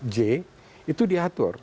j itu diatur